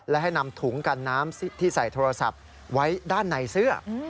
และให้นำถุงกันน้ำที่ใส่โทรศัพท์ไว้ด้านในเสื้อ